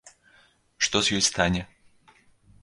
Што з ёй стане?